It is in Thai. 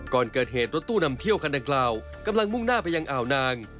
ก่อนเกิดเหตุรถตู้นำเที่ยวคันดังกล่าวกำลังมุ่งหน้าไปยังอ่าวนาง